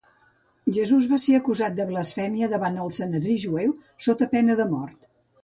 Jesús va ser acusat de blasfèmia davant el Sanedrí jueu, sota pena de mort.